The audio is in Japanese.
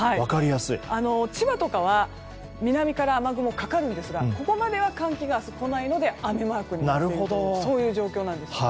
千葉とかは南から雨雲がかかるんですがここまでは寒気が明日、来ないので雨マークというそういう状況なんです。